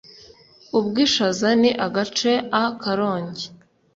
Ubwishaza Ni agace a Karongi